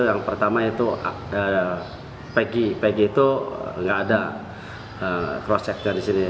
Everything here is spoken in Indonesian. yang pertama itu peggy peggy itu tidak ada crosschecknya di sini